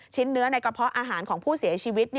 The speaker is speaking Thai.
เนื้อในกระเพาะอาหารของผู้เสียชีวิต